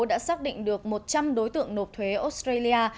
đã xác định được một trăm linh đối tượng nộp thuế australia